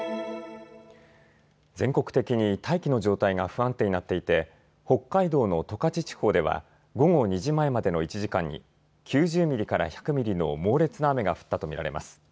全国的に大気の状態が不安定になっていて北海道の十勝地方では午後２時前までの１時間に９０ミリから１００ミリの猛烈な雨が降ったと見られます。